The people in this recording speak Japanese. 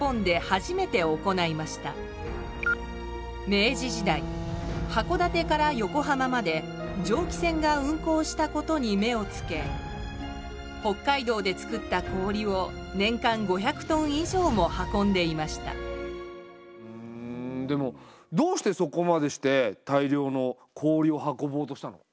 明治時代函館から横浜まで蒸気船が運航したことに目をつけ北海道で作った氷を年間５００トン以上も運んでいましたうんでもどうしてそこまでして大量の氷を運ぼうとしたの？